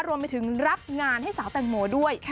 รวมไปถึงรับงานให้สาวแตงโมด้วย